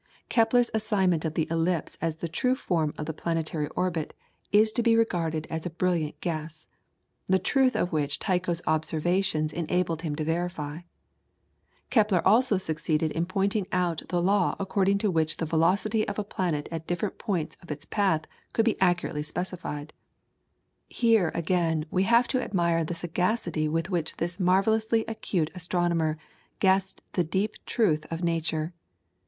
Kepler's assignment of the ellipse as the true form of the planetary orbit is to be regarded as a brilliant guess, the truth of which Tycho's observations enabled him to verify. Kepler also succeeded in pointing out the law according to which the velocity of a planet at different points of its path could be accurately specified. Here, again, we have to admire the sagacity with which this marvellously acute astronomer guessed the deep truth of nature.